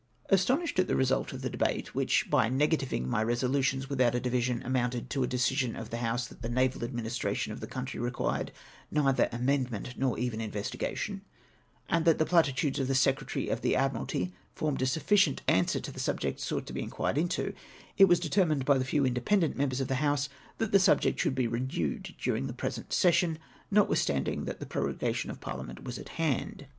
Astonished at the result of the debate, • which, by negativing my resolutions without a division, amounted to a decision of tlie House tliat tlie naval administration of the country required neither amendment nor even investigation, and that the platitudes of the Secretary of the Admu alty formed a sufficient answer to the subjects sought to be inquired into, it was determined by the few independent members of the House that the subject should be renewed during the present ses sion, notwithstanding that the prorogation of Parliament was at hand.